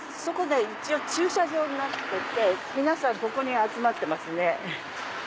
そこ一応駐車場になってて皆さんここに集まってますね。